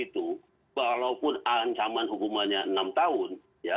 satu enam puluh itu walaupun ancaman hukumannya enam tahun